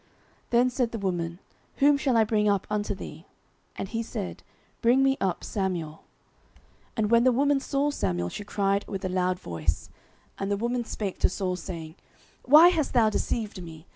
09:028:011 Then said the woman, Whom shall I bring up unto thee? And he said, Bring me up Samuel. 09:028:012 And when the woman saw Samuel, she cried with a loud voice: and the woman spake to Saul, saying, Why hast thou deceived me?